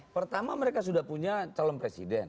pertama mereka sudah punya calon presiden